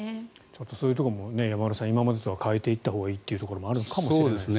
そういうところも今までとは変えていったほうがいいというところもあるのかもしれないですね。